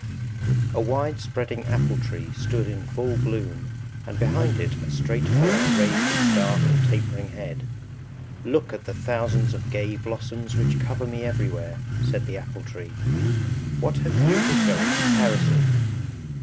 A wide spreading apple tree stood in full bloom, and behind it a straight fir raised its dark and tapering head. Look at the thousands of gay blossoms which cover me everywhere, said the apple tree; _what have you to show in comparison?